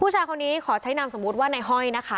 ผู้ชายคนนี้ขอใช้นามสมมุติว่าในห้อยนะคะ